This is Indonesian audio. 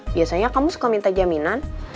biasanya kamu suka minta jaminan